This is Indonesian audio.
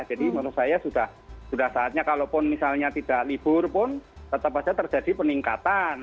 menurut saya sudah saatnya kalaupun misalnya tidak libur pun tetap saja terjadi peningkatan